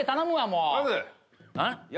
うん？